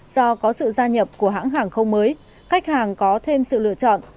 do có sự gia nhập của hãng hàng không mới khách hàng có thêm sự lựa chọn